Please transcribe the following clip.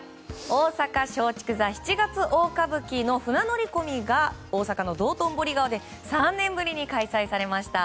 大阪松竹座「七月大歌舞伎」の船乗り込みが大阪の道頓堀川で３年ぶりに開催されました。